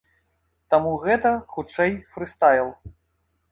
Таму гэта, хутчэй, фрыстайл.